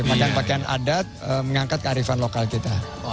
pakaian pakaian adat mengangkat kearifan lokal kita